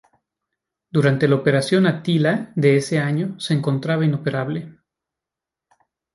Durante la Operación Atila de ese año se encontraba inoperable.